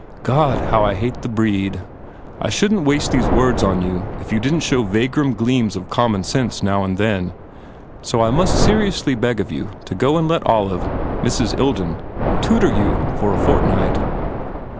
... God, how I hate the breed! I shouldn t waste these words on you if you didn t show vagrom gleams of common sense now and then. So I most seriously beg of you to go and let Olive Mrs. Ilden, tutor you for a fortnight."